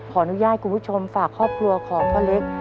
ขออนุญาตคุณผู้ชมฝากครอบครัวของพ่อเล็ก